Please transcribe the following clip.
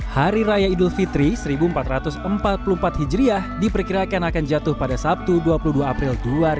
hari raya idul fitri seribu empat ratus empat puluh empat hijriah diperkirakan akan jatuh pada sabtu dua puluh dua april dua ribu dua puluh